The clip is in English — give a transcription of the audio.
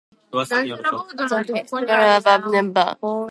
Gardening tips and hobby "news" pretty clearly fall at the entertainment end.